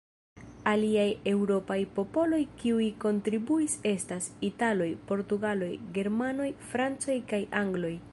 Aliaj eŭropaj popoloj kiuj kontribuis estas: italoj, portugaloj, germanoj, francoj kaj angloj.